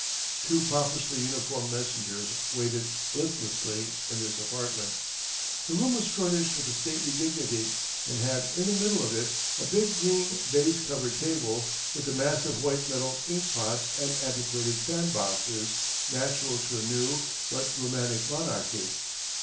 Two pompously uniformed messengers waited listlessly in this apartment. The room was furnished with a stately dignity, and had in the middle of it a big green baize covered table with the massive white metal inkpots and antiquated sandboxes natural to a new but romantic monarchy.